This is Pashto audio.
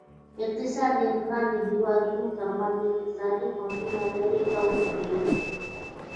اقتصادي ادغام د هیوادونو ترمنځ د اقتصادي خنډونو لرې کول دي